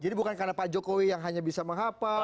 jadi bukan karena pak jokowi yang hanya bisa menghapal